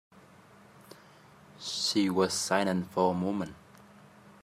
She was silent for a moment.